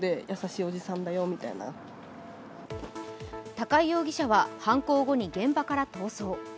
高井容疑者は犯行後に現場から逃走。